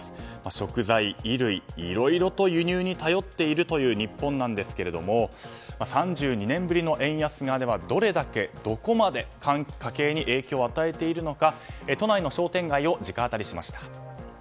食材、衣類、いろいろと輸入に頼っているという日本なんですが３２年ぶりの円安がどれだけ、どこまで家計に影響を与えているのか都内の商店街を直アタリしました。